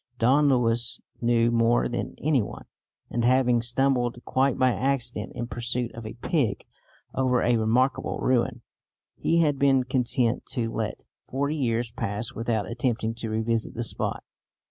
Don Luis knew more than any one, and, having stumbled, quite by accident in pursuit of a pig, over a remarkable ruin, he had been content to let forty years pass without attempting to revisit the spot.